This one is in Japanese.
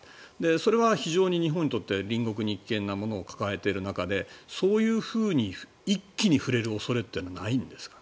それは非常に日本にとって隣国に危険なものを抱えている中でそういうふうに一気に振れる恐れはないんですか？